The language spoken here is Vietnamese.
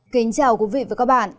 kính chào quý vị và các bạn